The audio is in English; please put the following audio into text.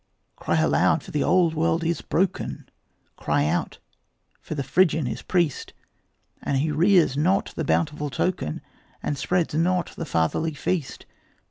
Cry aloud; for the old world is broken: Cry out; for the Phrygian is priest, And rears not the bountiful token And spreads not the fatherly feast.